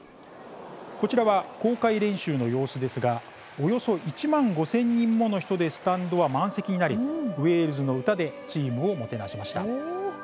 こちらは公開練習の様子ですがおよそ１万５０００人もの人でスタンドは満席になりウェールズの歌でチームをもてなしました。